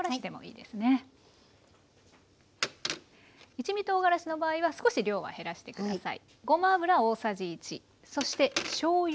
一味とうがらしの場合は少し量は減らして下さい。